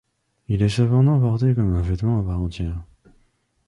Il est cependant porté comme un vêtement à part entière.